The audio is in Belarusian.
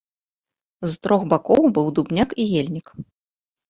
З трох бакоў быў дубняк і ельнік.